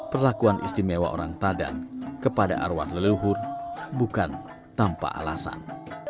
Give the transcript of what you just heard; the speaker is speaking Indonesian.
perlakuan istimewa orang tadan kepada arwah leluhur bukan tanpa alasan